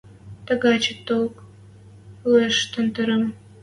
Тагачы танк лоэштен тырым